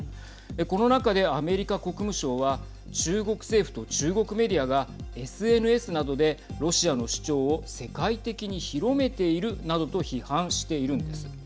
この中で、アメリカ国務省は中国政府と中国メディアがＳＮＳなどでロシアの主張を世界的に広めているなどと批判しているんです。